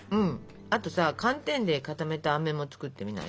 あとさ寒天で固めたあめも作ってみない？